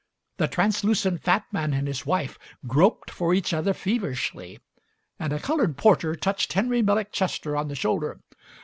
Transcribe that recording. The translucent fat man and his wife groped for each other feverishly, and a coloured porter touched Henry Millick Chester on the shoulder.